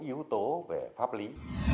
yếu tố về pháp lý